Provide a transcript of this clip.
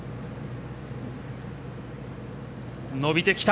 伸びてきた。